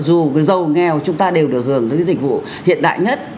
dù giàu nghèo chúng ta đều được hưởng tới dịch vụ hiện đại nhất